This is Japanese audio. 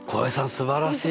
すばらしい！